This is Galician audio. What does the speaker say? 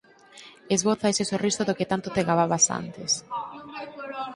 Esboza ese sorriso do que tanto te gababas antes...